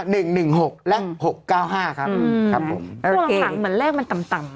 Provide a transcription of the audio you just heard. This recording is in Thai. หนึ่งหนึ่งหกและหกเก้าห้าครับอืมครับผมแล้วรถถังเหมือนเลขมันต่ำต่ำ